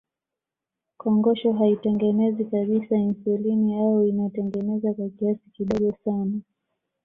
Kongosho haitengenezi kabisa insulini au inatengeneza kwa kiasi kidogo sana